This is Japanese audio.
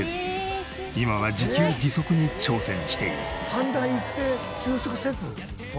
阪大行って就職せず？